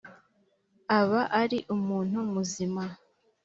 aba ari umuntu muzima